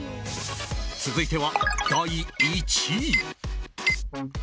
続いては第１位。